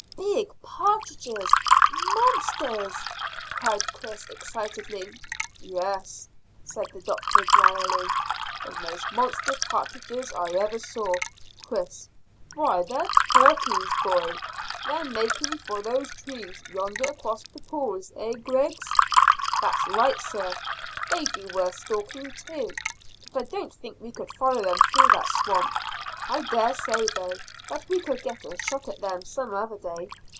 "Big partridges monsters!" cried Chris excitedly. "Yes," said the doctor dryly; "the most monstrous partridges I ever saw, Chris. Why, they're turkeys, boy. They're making for those trees yonder across the pools, eh, Griggs?" "That's right, sir. They'd be worth stalking too, but I don't think we could follow them through that swamp. I dare say, though, that we could get a shot at them some other day.